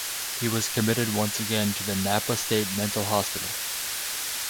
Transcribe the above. He was committed once again to the Napa State Mental Hospital.